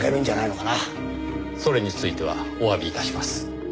それについてはおわび致します。